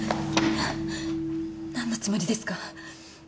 何のつもりですか？